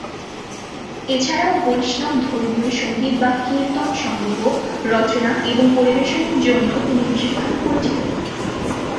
এছাড়াও বৈষ্ণব ধর্মীয় সঙ্গীত বা কীর্তন সংগ্রহ, রচনা এবং পরিবেশনের জন্যও তিনি বিশেষভাবে পরিচিত।